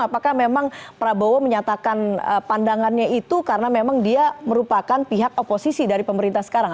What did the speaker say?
apakah memang prabowo menyatakan pandangannya itu karena memang dia merupakan pihak oposisi dari pemerintah sekarang